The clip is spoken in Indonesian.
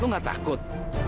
lu gak takut